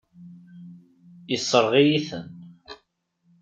Yessṛeɣ-iyi-ten.